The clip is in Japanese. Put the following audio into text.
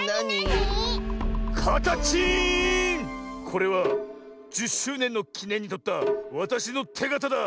これは１０しゅうねんのきねんにとったわたしのてがただ。